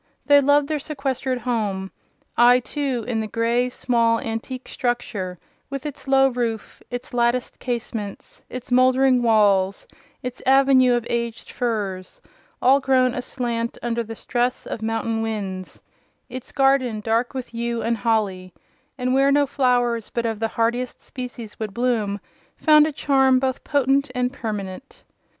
They loved their sequestered home. I, too, in the grey, small, antique structure, with its low roof, its latticed casements, its mouldering walls, its avenue of aged firs—all grown aslant under the stress of mountain winds; its garden, dark with yew and holly—and where no flowers but of the hardiest species would bloom—found a charm both potent and permanent.